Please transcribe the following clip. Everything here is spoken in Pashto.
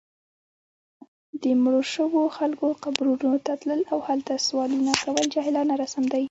د مړو شوو خلکو قبرونو ته تلل، او هلته سوالونه کول جاهلانه رسم دی